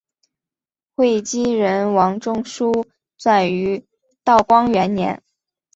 会稽人王仲舒撰于道光元年。